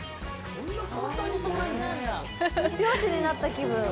漁師になった気分。